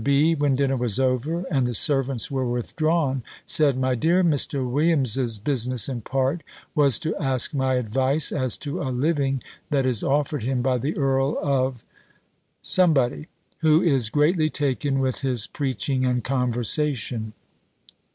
B., when dinner was over, and the servants were withdrawn, said, "My dear, Mr. Williams's business, in part, was to ask my advice as to a living that is offered him by the Earl of , who is greatly taken with his preaching and conversation."